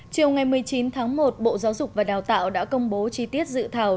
chiều ngày một mươi chín tháng một bộ giáo dục và đào tạo đã công bố chi tiết dự thảo